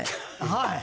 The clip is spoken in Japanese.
はい。